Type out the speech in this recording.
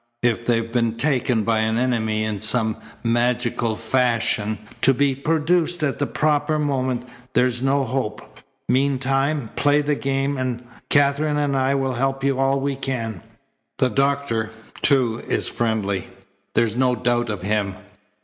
If they've been taken by an enemy in some magical fashion to be produced at the proper moment, there's no hope. Meantime play the game, and Katherine and I will help you all we can. The doctor, too, is friendly. There's no doubt of him.